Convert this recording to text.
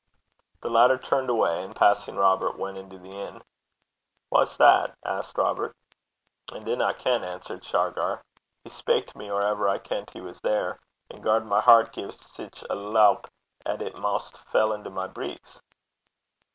The latter turned away, and passing Robert, went into the inn. 'Wha's that?' asked Robert. 'I dinna ken,' answered Shargar. 'He spak to me or ever I kent he was there, and garred my hert gie sic a loup 'at it maist fell into my breeks.'